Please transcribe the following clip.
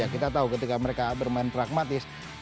kita tahu ketika mereka bermain pragmatis